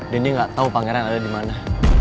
dan dia gak tau pangeran ada dimana